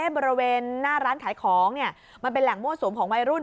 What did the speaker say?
บริเวณหน้าร้านขายของมันเป็นแหล่งมั่วสุมของวัยรุ่น